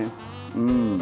うん。